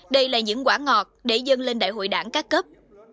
đây là những quả ngọt để dân lên đại hội đảng các cấp